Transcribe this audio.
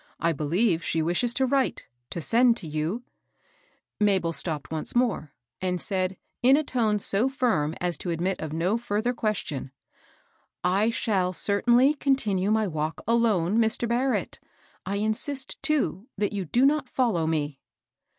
I believe she wishes to write, — to send to you "— Mabel stopped once more, and said, in a tone so firm as to admit of no fiirther question, "I shall certainly continue my walk alone, Mr. Barrett. I insist, too, that you do not follow me."